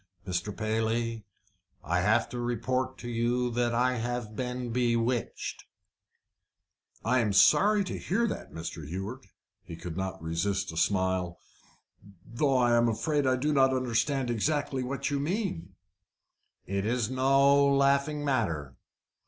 "Mr. Paley, I have to report to you that I have been bewitched." "I am sorry to hear that, Mr. Hewett." He could not resist a smile. "Though I am afraid I do not understand exactly what you mean." "It is no laughing matter."